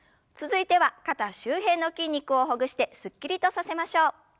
続いては肩周辺の筋肉をほぐしてすっきりとさせましょう。